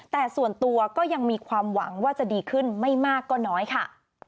แต่ส่วนตัวก็ยังมีความหวังว่าจะดีขึ้นไม่มากก็น้อยค่ะ